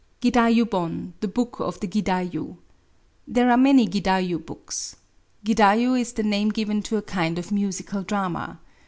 .* Gidayu'hotif the book of the gidayu, There are many gidayu books. GiJayU is the name given to a kind of musical drama.